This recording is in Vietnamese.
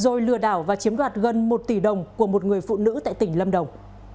rồi lừa đảo và chiếm đoạt gần một tỷ đồng của một người phụ nữ tại tỉnh lâm đồng